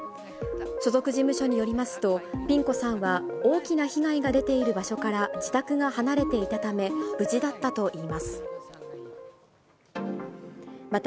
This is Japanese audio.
所属事務所によりますと、ピン子さんは、大きな被害が出ている場所から自宅が離れていたため、無事だったといいます。